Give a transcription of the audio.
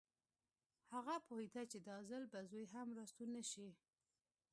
هغه پوهېده چې دا ځل به زوی هم راستون نه شي